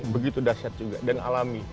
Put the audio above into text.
begitu dahsyat juga dan alami